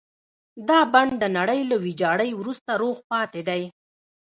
دا بڼ د نړۍ له ويجاړۍ وروسته روغ پاتې دی.